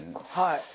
はい。